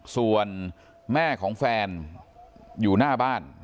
ส่วนแม่ของแฟนอยู่หน้าบ้าน